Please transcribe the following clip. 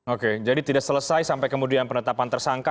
oke jadi tidak selesai sampai kemudian penetapan tersangka